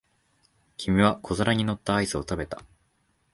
君は小皿に乗ったアイスを食べた。